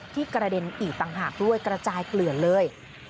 กระเด็นอีกต่างหากด้วยกระจายเกลือนเลย